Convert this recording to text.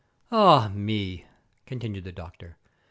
"Ah, me!" continued the doctor.